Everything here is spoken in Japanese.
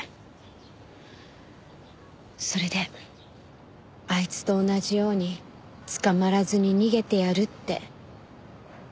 それであいつと同じように捕まらずに逃げてやるって。